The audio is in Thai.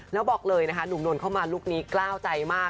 แล้วบอกเลยนะคะหนุ่มนนท์เข้ามาลุคนี้กล้าวใจมาก